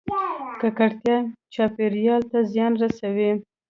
ککړتیا چاپیریال ته زیان رسوي